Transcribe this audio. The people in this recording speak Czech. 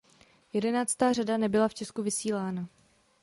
Jedenáctá řada nebyla v Česku vysílána.